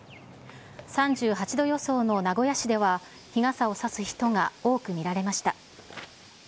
３８度予想の名古屋市では、日傘を差す人が多く見られました。